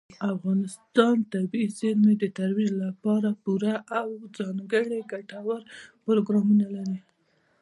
افغانستان د طبیعي زیرمې د ترویج لپاره پوره او ځانګړي ګټور پروګرامونه لري.